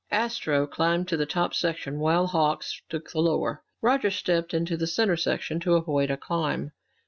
Astro climbed to the top section while Hawks took the lower. Roger stepped into the center section to avoid a climb.